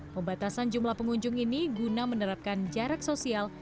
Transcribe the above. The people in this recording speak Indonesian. pembatasan jumlah pengunjung ini guna menerapkan jarak sosial